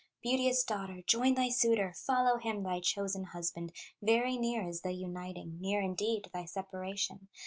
"Beauteous daughter, join thy suitor, Follow him, thy chosen husband, Very near is the uniting, Near indeed thy separation.